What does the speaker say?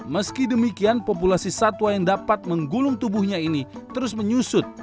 meski demikian populasi satwa yang dapat menggulung tubuhnya ini terus menyusut